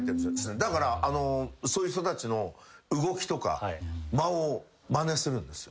だからそういう人たちの動きとか間をまねするんですよ。